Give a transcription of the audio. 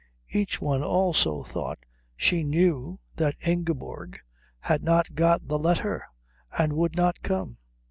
Each one also thought she knew that Ingeborg had not got the letter and would not come.